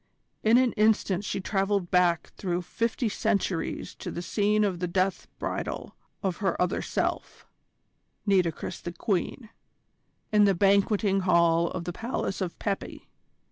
In an instant she travelled back through fifty centuries to the scene of the death bridal of her other self, Nitocris the Queen, in the banqueting hall of the Palace of Pepi.